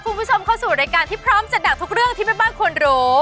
คุณผู้ชมเข้าสู่รายการที่พร้อมจัดหนักทุกเรื่องที่แม่บ้านควรรู้